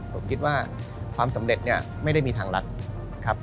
ผมคิดว่าความสำเร็จไม่ได้มีทางลักษณ์